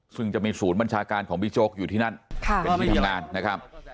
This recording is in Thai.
ซึ่งจะมีศูนย์บัญชาการของบิ๊กโจ๊กอยู่ที่นั่นเป็นที่ทำงานนะครับ